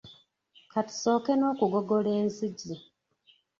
Ka tusooke n'okugogola enzizi.